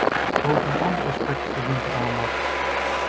Ook een ander aspect verdient de aandacht.